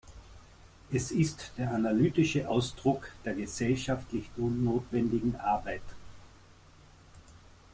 Es ist der analytische Ausdruck der gesellschaftlich notwendigen Arbeit.